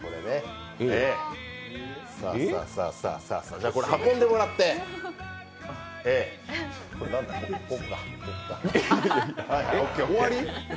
じゃあ、これ運んでもらってえっ、終わり？